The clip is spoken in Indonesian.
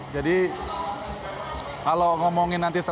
jadi kalau ngomongin nanti strategi